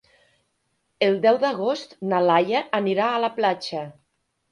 El deu d'agost na Laia anirà a la platja.